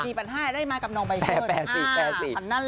มีบัญญาณให้ได้มากับน้องใบเซินแปลแปลสิแปลสิอ่านั่นเลย